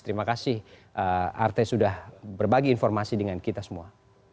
terima kasih arte sudah berbagi informasi dengan kita semua